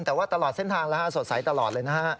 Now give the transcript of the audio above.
แต่ว่าตลอดเส้นทางแล้วฮะสดใสตลอดเลยนะฮะ